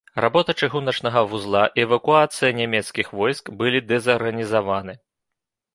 Работа чыгуначнага вузла і эвакуацыя нямецкіх войск былі дэзарганізаваны.